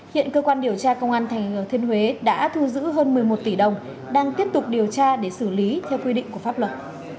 hiện cơ quan điều tra công an tp thiên huế đã thu giữ hơn một mươi một tỷ đồng đang tiếp tục điều tra để xử lý theo quy định của pháp luật